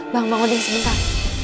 bang odin sebentar